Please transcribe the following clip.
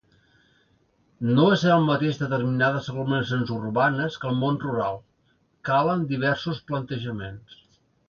No és el mateix determinades aglomeracions urbanes que el món rural, calen diversos plantejaments.